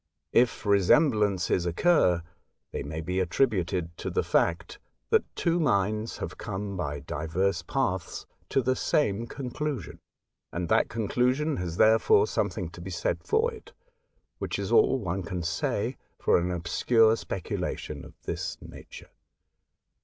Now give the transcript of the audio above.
If resemblances occur, they may be attributed to the fact that two minds have come by diverse paths to the same conclusion, and that conclusion has therefore something to be said for it — which is all one can say for an obscure speculation of this nature.